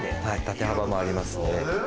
縦幅もありますので。